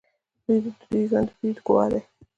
د دوی ژوند د دوی ګواه دی.